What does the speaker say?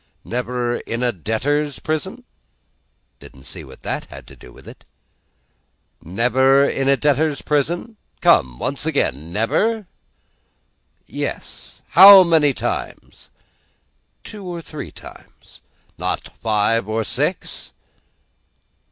Never in a debtors' prison? Didn't see what that had to do with it. Never in a debtors' prison? Come, once again. Never? Yes. How many times? Two or three times. Not five or six?